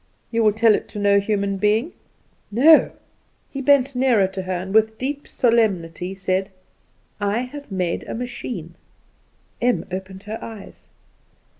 "You will tell it to no human being?" "No." He bent nearer to her, and with deep solemnity said: "I have made a machine!" Em opened her eyes.